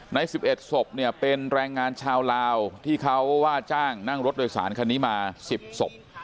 ใน๑๑ศพเนี่ยเป็นแรงงานชาวลาวที่เขาว่าจ้างนั่งรถโดยสารคันนี้มา๑๐ศพ